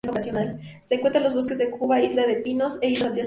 Se encuentra en los bosques de Cuba, isla de Pinos e islas adyacentes.